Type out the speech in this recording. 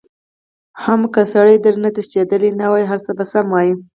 حم که سړی درنه تښتېدلی نه وای هرڅه به سم وو.